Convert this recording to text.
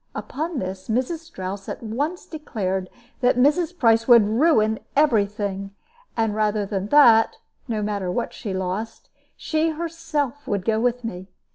Upon this Mrs. Strouss at once declared that Mrs. Price would ruin every thing; and rather than that no matter what she lost she herself would go with me.